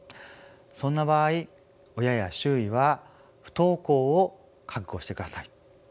そんな場合親や周囲は不登校を覚悟してください。